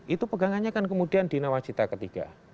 itu pegangannya kan kemudian di nawacita ketiga